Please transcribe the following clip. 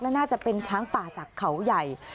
และน่าจะเป็นช้างป่าจากเขาใหญ่